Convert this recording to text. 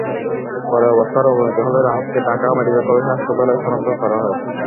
পরে অবস্থার অবনতি হলে রাহাতকে ঢাকা মেডিকেল কলেজ হাসপাতালে স্থানান্তর করা হয়।